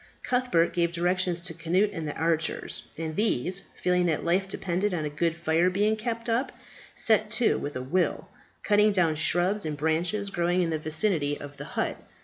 Cuthbert gave directions to Cnut and the archers; and these, feeling that life depended upon a good fire being kept up, set to with a will, cutting down shrubs and branches growing in the vicinity of the hut.